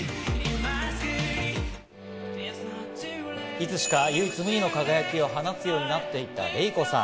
いつしか唯一無二の輝きを放つようになっていったＲＥＩＫＯさん。